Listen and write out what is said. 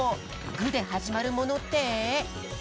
「グ」ではじまるものって？